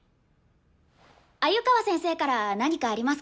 鮎川先生から何かありますか？